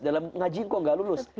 dalam ngaji engkau gak lulus